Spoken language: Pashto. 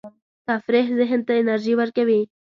تفریح ذهن ته انرژي ورکوي.